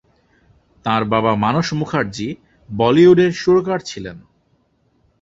তাঁর বাবা মানস মুখার্জি বলিউডের সুরকার ছিলেন।